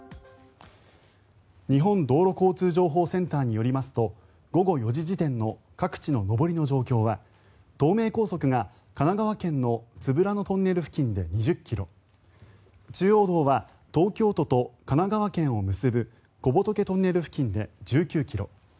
日本道路交通情報センターによりますと午後４時時点の各地の上りの状況は東名高速が神奈川県の都夫良野トンネル付近で２０ｋｍ中央道は東京都と神奈川県を結ぶ小仏トンネル付近で１９ｋｍ